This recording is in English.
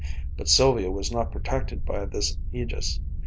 But Sylvia was not protected by this aegis.